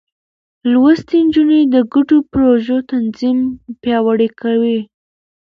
لوستې نجونې د ګډو پروژو تنظيم پياوړې کوي.